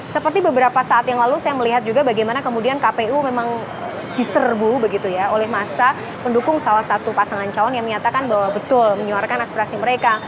seperti beberapa saat yang lalu saya melihat juga bagaimana kemudian kpu memang diserbu begitu ya oleh masa pendukung salah satu pasangan calon yang menyatakan bahwa betul menyuarkan aspirasi mereka